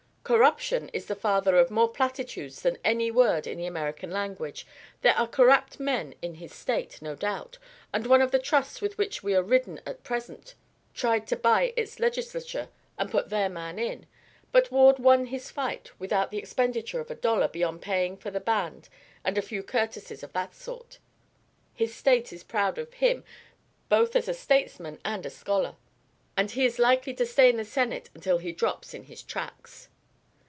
"'Corruption' is the father of more platitudes than any word in the American language. There are corrupt men in his State, no doubt, and one of the Trusts with which we are ridden at present tried to buy its Legislature and put their man in. But Ward won his fight without the expenditure of a dollar beyond paying for the band and a few courtesies of that sort. His State is proud of him both as a statesman and a scholar, and he is likely to stay in the Senate until he drops in his tracks."